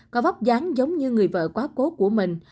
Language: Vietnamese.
có vóc dáng giống như người vợ quá cố của mình